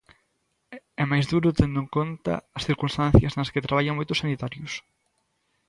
E máis duro tendo en conta as circunstancias nas que traballan moitos sanitarios.